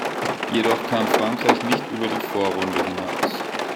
Jedoch kam Frankreich nicht über die Vorrunde hinaus.